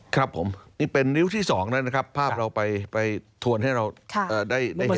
ครับผมนี่เป็นริ้วที่๒นะครับภาพเราไปทวนให้เราได้เห็นภาพส่วนร่วม